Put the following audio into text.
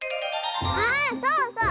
あそうそう！